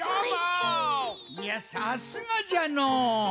いやさすがじゃのう。